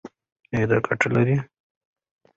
ایا دا ګټه لري؟